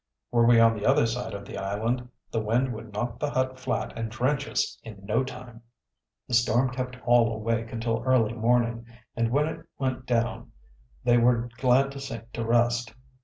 "Were we on the other side of the island, the wind would knock the hut flat and drench us in no time." The storm kept all awake until early morning and when it went down they were glad to sink to rest.